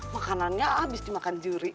makanannya abis dimakan juri